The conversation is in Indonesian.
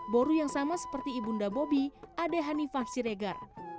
boru yang sama seperti ibunda bobi adehani fah siregar